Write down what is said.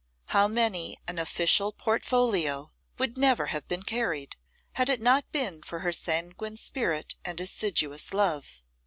How many an official portfolio would never have been carried, had it not been for her sanguine spirit and assiduous love!